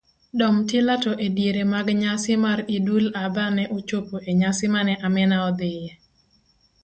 Domtila to ediere mag nyasi mar eidul Adhaa ne ochopo enyasi mane Amina odhiye.